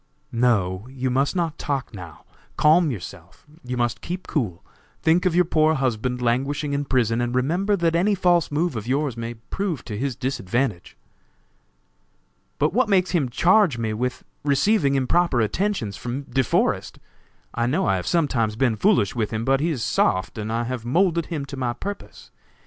"No! You must not talk now. Calm yourself! You must keep cool! Think of your poor husband languishing in prison, and remember that any false move of yours may prove to his disadvantage." "But what makes him charge me with receiving improper attentions from De Forest? I know I have sometimes been foolish with him, but he is soft and I have moulded him to my purpose.